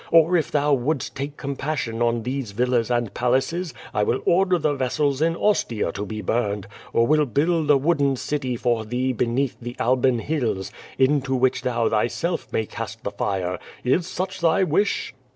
Or if thou wouldst take compassion on these villas and palaces I will order the vessels in Ostia to be burned, or will build a wooden city for thee beneath the Albaii Hills, into which thou thyself may cast the fire. Is such thy wish?"